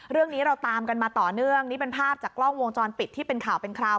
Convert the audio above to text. เรื่องนี้เราตามกันมาต่อเนื่องนี่เป็นภาพจากกล้องวงจรปิดที่เป็นข่าวเป็นคราว